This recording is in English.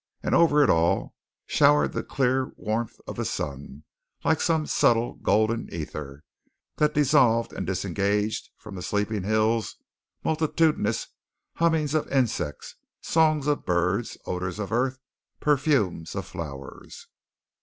And over it all showered the clear warmth of the sun, like some subtle golden ether that dissolved and disengaged from the sleeping hills multitudinous hummings of insects, songs of birds, odours of earth, perfumes of flowers.